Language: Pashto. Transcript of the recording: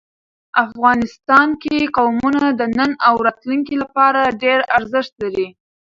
افغانستان کې قومونه د نن او راتلونکي لپاره ډېر ارزښت لري.